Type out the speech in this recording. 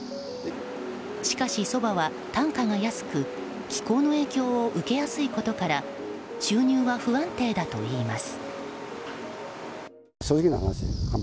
しかし、ソバは単価が安く気候の影響を受けやすいことから収入は不安定だといいます。